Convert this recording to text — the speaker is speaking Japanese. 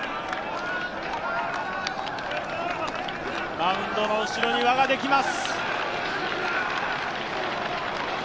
マウンドの後ろに輪ができます。